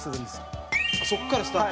蛍原：そこからスタート。